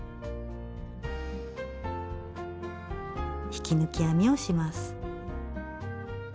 引き抜き編みをします。